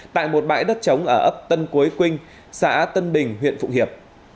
tại một bãi đất trống ở ấp tân cuối quynh xã tân bình huyện phụng hiệp